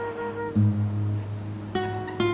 rasanya masih banyak